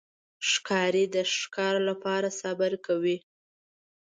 ښکاري د ښکار لپاره صبر کوي.